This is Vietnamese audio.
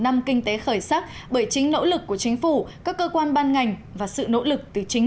năm kinh tế khởi sắc bởi chính nỗ lực của chính phủ các cơ quan ban ngành và sự nỗ lực từ chính